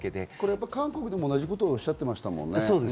韓国でも同じことをおっしゃってましたもんね。